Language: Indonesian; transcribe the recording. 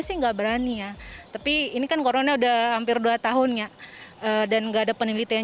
sih enggak berani ya tapi ini kan corona udah hampir dua tahun ya dan enggak ada penelitian